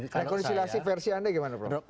rekonsiliasi versi anda gimana prof